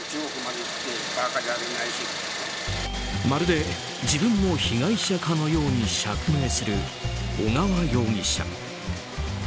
まるで自分も被害者かのように釈明する小川容疑者。